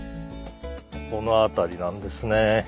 この辺りなんですね。